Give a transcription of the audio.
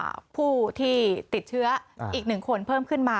ผู้ที่ติดเชื้ออีกหนึ่งคนเพิ่มขึ้นมา